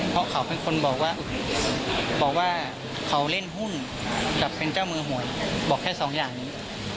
เพราะเขาเป็นคนบอกว่าบอกว่าเขาเล่นหุ้นกับเป็นเจ้ามือหวยบอกแค่สองอย่างนี้